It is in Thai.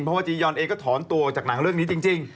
เพราะว่าจียอนเองก็ถอนตัวออกจากหนังเรื่องนี้จริง